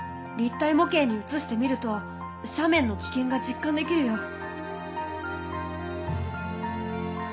立体模型にうつしてみると斜面の危険が実感できるよ。